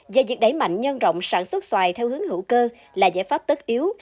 và việc đẩy mạnh nhân rộng sản xuất xoài theo hướng hữu cơ là giải pháp tất yếu